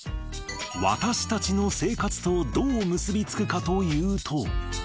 私たちの生活とどう結び付くかというと。